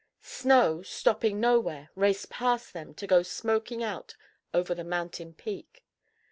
Snow, stopping nowhere, raced past them to go smoking out over the mountain peak.